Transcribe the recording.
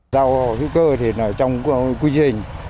sau hữu cơ trong quy trình